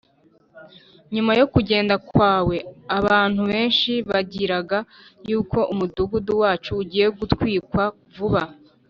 nyuma yo kugenda kwawe, abantu benshi baganiraga yuko umudugudu wacu ugiye gutwikwa vuba